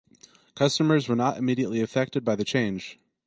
Customers were not immediately affected by the change.